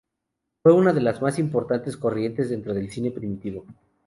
Fue una de las más importantes corrientes dentro del cine primitivo.